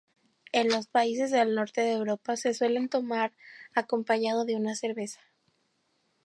En los países del norte de Europa se suele tomar acompañado de una cerveza.